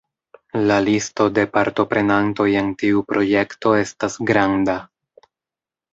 La listo de partoprenantoj en tiu projekto estas granda.